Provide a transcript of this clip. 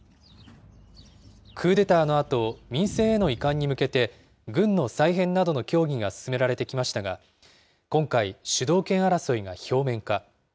クーデターのあと、民政への移管に向けて、軍の再編などの協議が進められてきましたが、今回、主導権争いが表面化。